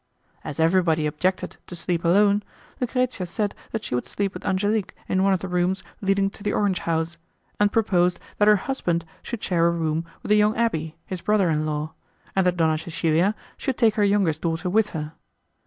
As everybody objected to sleep alone, Lucrezia said that she would sleep with Angelique in one of the rooms leading to the orange house, and proposed that her husband should share a room with the young abbé, his brother in law, and that Donna Cecilia should take her youngest daughter with her.